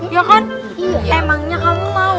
ya kan emangnya kamu mau